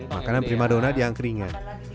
makanan prima donat yang keringan